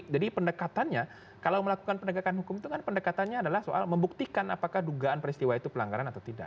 jadi pendekatannya kalau melakukan pendagangan hukum itu kan pendekatannya adalah soal membuktikan apakah dugaan peristiwa itu pelanggaran atau tidak